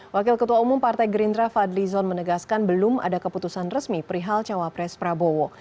wakil ketua umum partai gerindra fadli zon menegaskan belum ada keputusan resmi perihal cawapres prabowo